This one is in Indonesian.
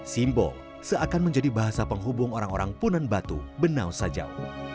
simbol seakan menjadi bahasa penghubung orang orang punan batu benau sajau